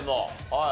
はい。